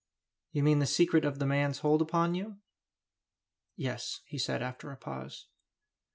"You mean the secret of the man's hold upon you?" "Yes," he said, after a pause.